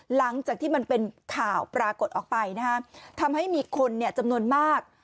หลังจากที่มันเป็นข่าวปรากฏออกไปนะฮะทำให้มีคนเนี่ยจำนวนมาก